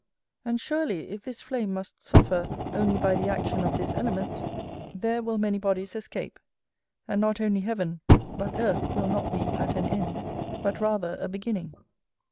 And surely, if this flame must suffer only by the action of this element, there will many bodies escape; and not only heaven, but earth will not be at an end, but rather a beginning.